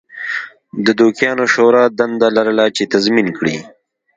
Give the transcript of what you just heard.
د دوکیانو شورا دنده لرله چې تضمین کړي